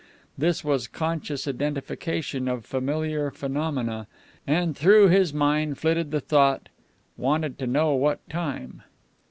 This was conscious identification of familiar phenomena, and through his mind flitted the thought, "Wanted to know what time."